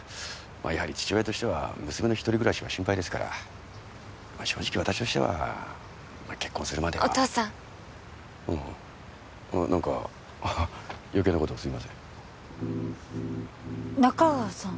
やはり父親としては娘の一人暮らしは心配ですから正直私としては結婚するまではお父さんおおあっ何か余計なことをすいません仲川さん